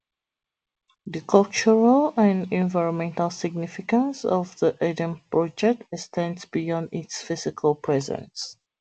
The cultural and environmental significance of the Eden project extends beyond its physical presence.